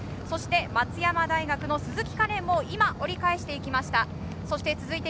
松山大の鈴木樺連も今、折り返していきました。